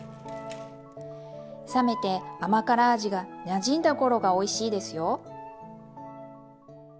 冷めて甘辛味がなじんだ頃がおいしいですよ。